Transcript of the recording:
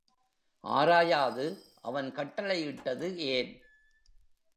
ஆராயாது அவன் கட்டளை இட்டது ஏன்?